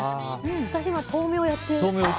私、今、豆苗やってる。